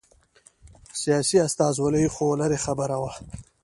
سیاسي استازولي خو لرې خبره وه